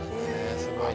すごいね。